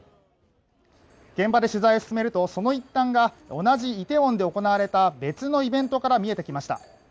現場で取材を進めるとその一端が同じイテウォンで行われた別のイベントから見えてきました。